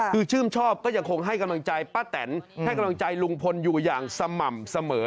คือชื่นชอบก็ยังคงให้กำลังใจป้าแตนให้กำลังใจลุงพลอยู่อย่างสม่ำเสมอ